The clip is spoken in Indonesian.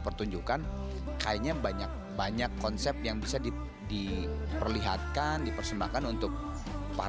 pertunjukan kayaknya banyak banyak konsep yang bisa diperlihatkan dipersembahkan untuk para